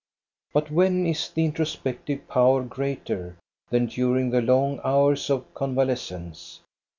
But when is the introspective power greater than during the long hours of convalescence?